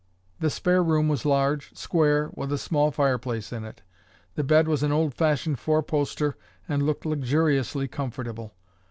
The spare room was large, square, with a small fireplace in it. The bed was an old fashioned four poster and looked luxuriously comfortable.